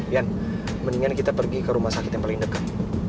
yang mendingan kita pergi ke rumah sakit yang paling dekat